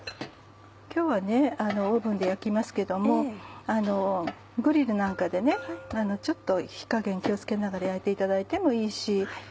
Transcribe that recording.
今日はオーブンで焼きますけどもグリルなんかで火加減気を付けながら焼いていただいてもいいし。